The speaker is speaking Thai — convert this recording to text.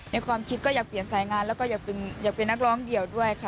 ความคิดก็อยากเปลี่ยนสายงานแล้วก็อยากเป็นนักร้องเดี่ยวด้วยค่ะ